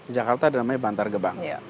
jakarta namanya bantar gebang